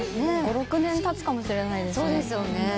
５６年たつかもしれないですね。